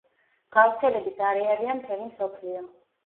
გავრცელების არეალია მთელი მსოფლიო.